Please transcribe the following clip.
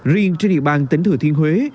riêng trên địa bàn tỉnh thừa thiên huế